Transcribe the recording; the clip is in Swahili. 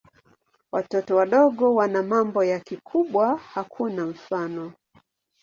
Watoto wadogo wana mambo ya kikubwa hakuna mfano.